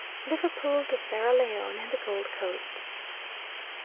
LIVERPOOL TO SIERRA LEONE AND THE GOLD COAST.